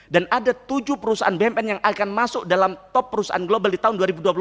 dan ada tujuh perusahaan bnm yang akan masuk dalam top perusahaan global di tahun dua ribu dua puluh empat